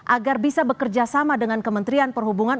agar bisa bekerja sama dengan kementerian perhubungan